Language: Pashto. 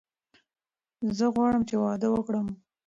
زه غواړم چې واده وکړم.